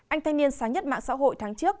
anh thanh niên xá nhất mạng xã hội tháng trước